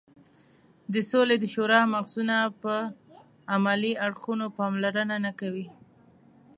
د سولې د شورا مغزونه پر عملي اړخونو پاملرنه نه کوي.